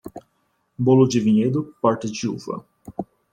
Bolo de vinhedo, porta de uva.